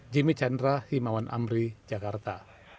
jimmy chandra himawan amri jakarta